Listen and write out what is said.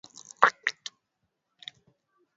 mzuri wa uso muundo wa fuvu paji la